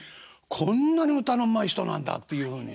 こんなに歌のうまい人なんだっていうふうに。